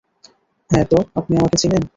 হ্যাঁ, তো, আপনি উনাকে চিনেন?